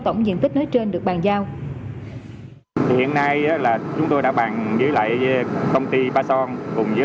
tổng diện tích nơi trên được bàn giao hiện nay là chúng tôi đã bàn giữ lại công ty bason cùng giữ